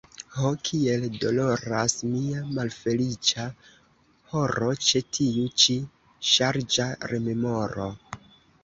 Ho, kiel doloras mia malfeliĉa koro ĉe tiu ĉi ŝarĝa rememoro!